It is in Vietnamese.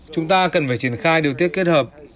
chúng ta cần phải triển khai điều tiết kết hợp